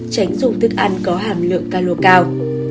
tránh dùng thức ăn có hàm lượng ca lô cao